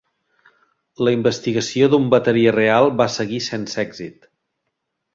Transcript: La investigació d'un bateria real va seguir sense èxit.